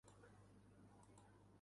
Kaltai-ko‘toh plitani yamab qo‘ysak